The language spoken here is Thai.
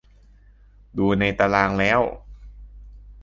ดูในตารางแล้ว